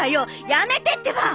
やめてってば！